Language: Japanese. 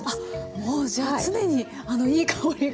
もうじゃあ常にいい香りが。